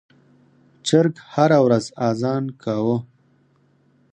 چرګ هره ورځ اذان کاوه.